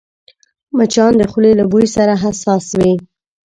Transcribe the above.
مچان د خولې له بوی سره حساس وي